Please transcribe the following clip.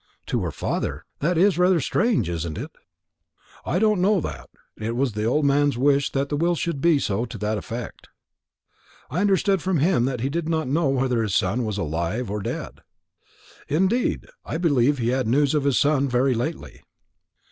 "To her father? That is rather strange, isn't it?" "I don't know that. It was the old man's wish that the will should be to that effect." "I understood from him that he did not know whether his son was alive or dead." "Indeed! I believe he had news of his son very lately."